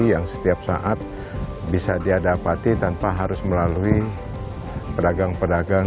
yang setiap saat bisa dia dapati tanpa harus melalui pedagang pedagang